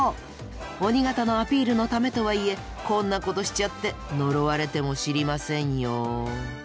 鬼形のアピールのためとはいえこんなことしちゃって呪われても知りませんよ。